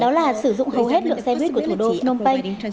đó là sử dụng hầu hết lượng xe buýt của thủ đô phnom penh